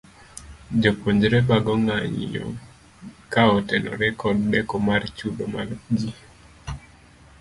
Jopuonjre bago ng'anyo ka otenore kod deko mar chudo mar gi.